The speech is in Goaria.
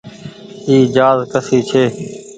اي جهآز ڪسي ڇي۔